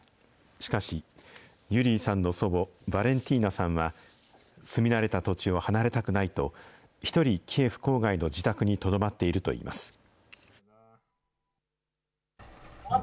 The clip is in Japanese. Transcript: しかし、ユリーさんの祖母、ヴァレンティーナさんは、住み慣れた土地を離れたくないと、１人、キエフ郊外の自宅にとどまっているといいます。